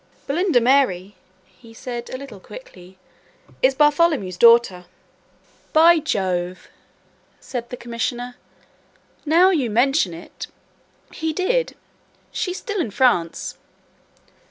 "Belinda Mary," he said a little quickly, "is Bartholomew's daughter." "By Jove," said the Commissioner, "now you mention it, he did she is still in France."